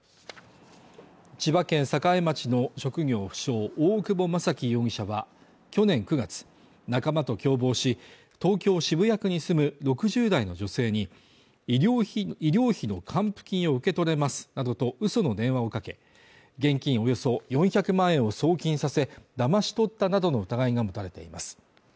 千葉県栄町の職業不詳、大久保将貴容疑者は去年９月、仲間と共謀し、東京・渋谷区に住む６０代の女性に医療費の還付金を受け取れますなどとうその電話をかけ、現金およそ４００万円を送金させ、だまし取ったなどの疑いが持たれています。